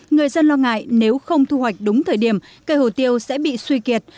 người dân lo ngại nếu không thu hoạch đúng thời điểm cây hồ tiêu sẽ bị suy kiệt